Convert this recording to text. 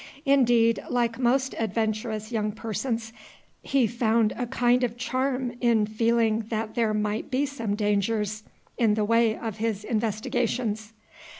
Indeed, like most adventurous young persons, he found a kind of charm in feeling that there might be some dangers in the way of his investigations.